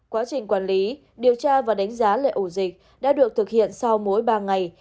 quá trình quản lý điều tra và đánh giá lệ ổ dịch đã được thực hiện sau mỗi ba ngày